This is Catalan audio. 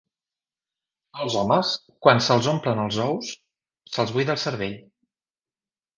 Als homes, quan se'ls omplen els ous, se'ls buida el cervell.